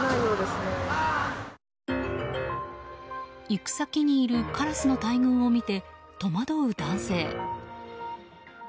行く先にいるカラスの大群を見て戸惑う男性。